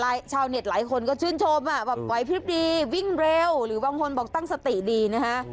ชาวเน็ตหลายคนก็ชื่นชมอ่ะแบบไหวพลิบดีวิ่งเร็วหรือบางคนบอกตั้งสติดีนะฮะ